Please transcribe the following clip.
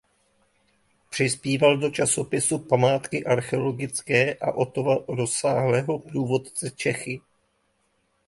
Přispíval do časopisu "Památky archeologické" a Ottova rozsáhlého průvodce "Čechy".